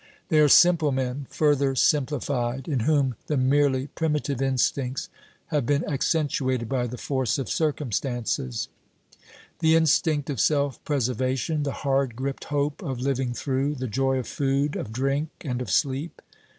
They are simple men further simplified, in whom the merely primitive instincts have been accentuated by the force of circumstances the instinct of self preservation, the hard gripped hope of living through, the joy of food, of drink, and of sleep.